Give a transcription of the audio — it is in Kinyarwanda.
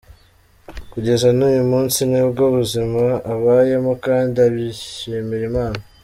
Kugeza n’uyu munsi ni bwo buzima abayemo kandi abishimira Imana.